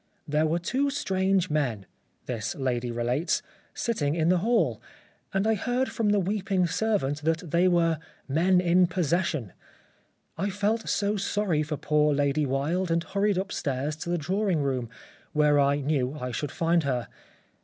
" There were two strange men," this lady relates, " sitting in the hall, and I heard from the weeping servant that they were ' men in possession.' I felt so sorry for poor Lady Wilde and hurried upstairs to the drawing room where I knew I should find her.